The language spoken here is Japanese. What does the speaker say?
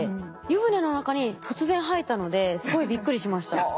湯船の中に突然生えたのですごいびっくりしました。